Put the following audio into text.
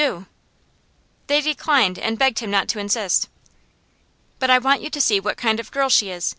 Do!' They declined, and begged him not to insist. 'But I want you to see what kind of girl she is.